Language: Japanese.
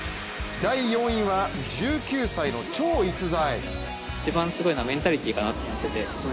第４位は１９歳の超逸材。